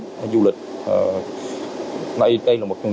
hội thảo du lịch việt nam cơ hội và kết thúc hè hai nghìn hai mươi hai